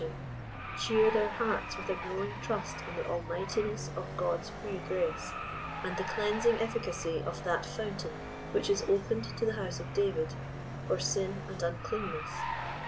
tion — cheer their hearts with a growing trust in the almighti ness of God's free grace, and the cleansing efficacy of that fountain" which is *' opened to the house of David, for sin and uncleanness